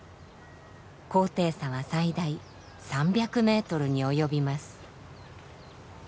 高低差は最大３００ｍに及びます。